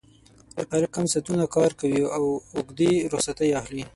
خلک کم ساعتونه کار کوي او اوږدې رخصتۍ اخلي